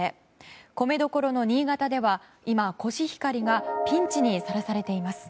米どころの新潟では今コシヒカリがピンチにさらされています。